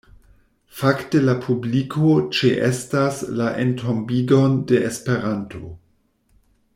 Fakte la publiko ĉeestas la entombigon de Esperanto.